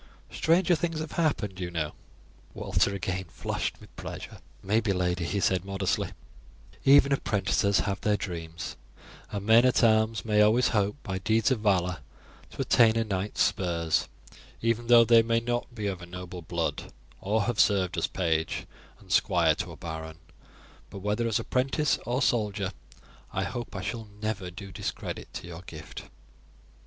Stranger things have happened, you know." Walter flushed again with pleasure. "Maybe, lady," he said modestly, "even apprentices have their dreams, and men at arms may always hope, by deeds of valour, to attain a knight's spurs even though they may not be of noble blood or have served as page and squire to a baron; but whether as a 'prentice or soldier, I hope I shall never do discredit to your gift."